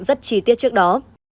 rất trí tiết trước đó